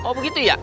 oh begitu ya